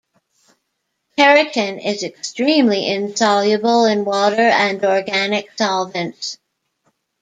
Keratin is extremely insoluble in water and organic solvents.